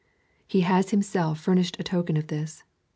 He has himself furnished a token of this.